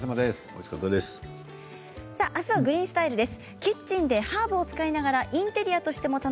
あすは「グリーンスタイル」です。